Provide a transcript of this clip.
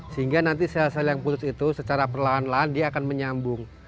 sehingga nanti sel sel yang putus itu secara perlahan lahan dia akan menyambung